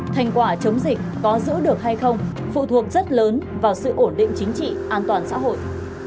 thành quả chống dịch có giữ được hay không phụ thuộc rất lớn vào sự ổn định chính trị an toàn xã hội